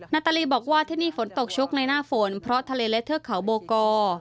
นาตาลีบอกว่าที่นี่ฝนตกชุกในหน้าฝนเพราะทะเลและเทือกเขาโบกอร์